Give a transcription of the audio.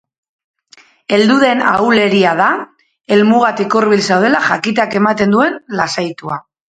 Heldu den ahuleria da, helmugatik hurbil zaudela jakiteak ematen duen lasaitua.